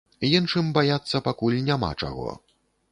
Іншым баяцца пакуль няма чаго.